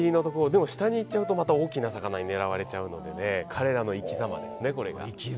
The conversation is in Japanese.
でも下に行っちゃうとまた大きな魚に狙われちゃうので彼らの生きざまですね、これが。